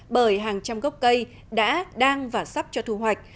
bởi hàng trăm gốc cây đã đang và sắp cho thu hoạch